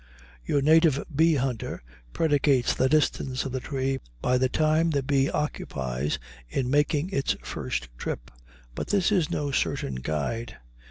Your native bee hunter predicates the distance of the tree by the time the bee occupies in making its first trip. But this is no certain guide.